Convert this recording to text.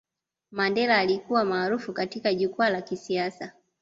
mandela alikuwa maarufu katika jukwaa la kisiasa